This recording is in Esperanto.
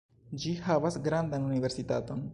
Ĝi havas grandan universitaton.